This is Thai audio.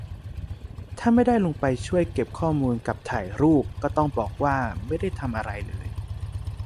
ถ้าไม่ได้ลงไปช่วยเก็บข้อมูลกับถ่ายรูป ก็ต้องบอกว่า ไม่ได้ทำอะไรเลย